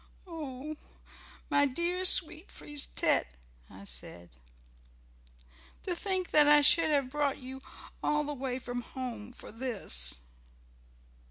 "Oh, my dear, sweet Frise tête," I said. "To think that I should have brought you all the way from home for this."